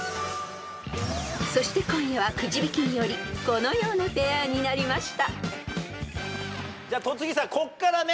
［そして今夜はくじ引きによりこのようなペアになりました］